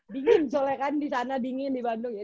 dingin soalnya kan di sana dingin di bandung ya